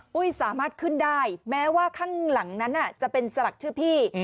สามารถขึ้นได้แม้ว่าข้างหลังนั้นจะเป็นสลักชื่อพี่